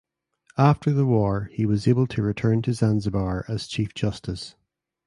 After the war he was able to return to Zanzibar as Chief Justice.